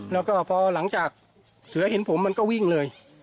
แล้วก็พอหลังจากเสือเห็นผมมันก็วิ่งเลย